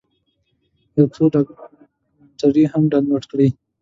یو څو ډاکمنټرۍ هم ډاونلوډ کړې.